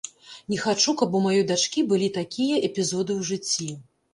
Не хачу, каб у маёй дачкі былі такія эпізоды ў жыцці.